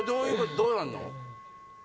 どうなるの？